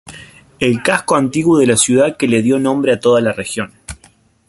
El casco antiguo de la ciudad que le dio nombre a toda la región.